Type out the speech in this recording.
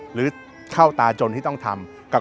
หรือเข้าตาจนที่ต้องทำ